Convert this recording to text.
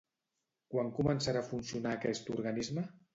Quan començarà a funcionar aquest organisme?